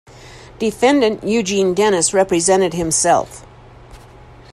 Defendant Eugene Dennis represented himself.